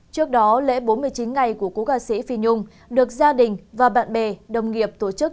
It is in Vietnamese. trước đó lễ bốn mươi chín ngày của cố ca sĩ phi nhung được gia đình và bạn bè đồng nghiệp tổ chức